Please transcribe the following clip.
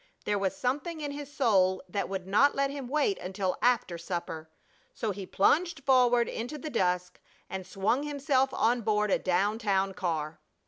There was something in his soul that would not let him wait until after supper. So he plunged forward into the dusk and swung himself on board a down town car.